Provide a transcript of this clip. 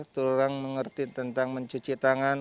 tulang mengerti tentang mencuci tangan